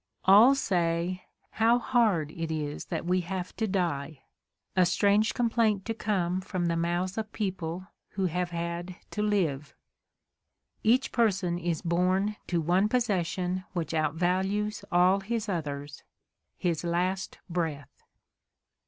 All say, "How hard it is that we have to die" — a strange complaint to come from the mouths of people who have had to live. Each person is born to one possession which outvalues all hia others — his last breath.